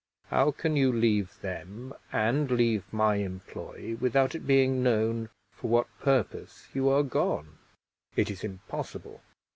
How can you leave them, and leave my employ, without it being known for what purpose you are gone? It is impossible!